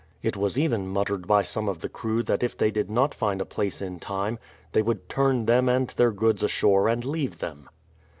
It was even muttered by some of the crew that if they did not find a place in time, they would turn them and their goods ashore and leave them.